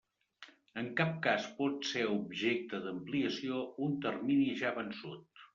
En cap cas pot ser objecte d'ampliació un termini ja vençut.